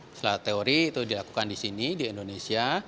pelatihan secara teori itu dilakukan di sini di indonesia